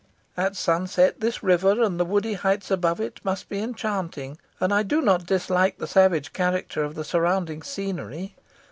At sunset, this river, and the woody heights above it, must be enchanting; and I do not dislike the savage character of the surrounding scenery.